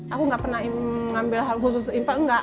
aku nggak pernah mengambil hal khusus infal nggak